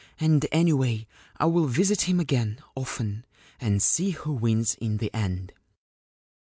and anyway I will visit him again, often, and see who wins in the end.'